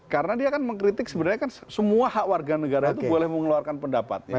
karena dia kan mengkritik sebenarnya kan semua hak warga negara itu boleh mengeluarkan pendapat